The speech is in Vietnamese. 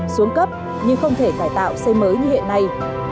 xuống cấp nhưng không thể cải tạo xây mới như hiện nay